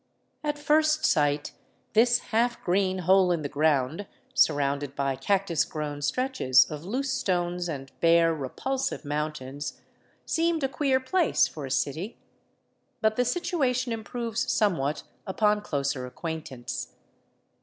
At first sight this half green hole in the ground, surrounded by 380 THE ROUTE OF THE CONQUISTADORES cactus grown stretches of loose stones and bare, repulsive mountains, seemed a queer place for a city. But the situation improves somewhat upon closer acquaintance.